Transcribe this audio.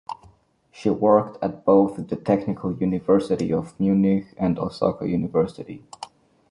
She worked at both the Technical University of Munich and Osaka University.